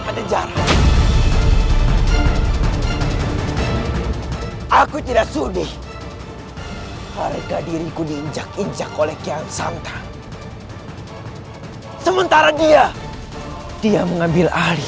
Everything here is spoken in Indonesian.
penejar aku tidak sudi harga diriku diinjak injak oleh kian santan sementara dia dia mengambil alih